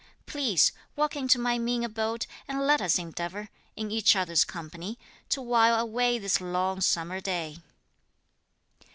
Please walk into my mean abode, and let us endeavour, in each other's company, to while away this long summer day."